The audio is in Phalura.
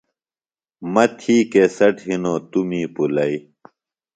مہ تھی کیسٹ ہِنوۡ توۡ می پُلئی۔